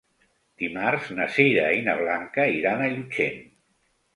Dimarts na Sira i na Blanca iran a Llutxent.